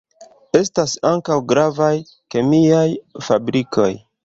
Estas ankaŭ gravaj kemiaj fabrikoj.